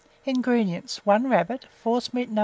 INGREDIENTS. 1 rabbit, forcemeat No.